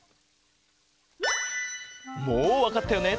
もうわかったよね？